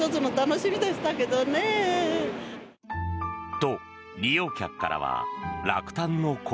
と、利用客からは落胆の声。